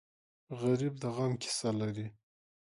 غریب د غم قصه لري